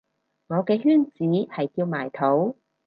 我嘅圈子係叫埋土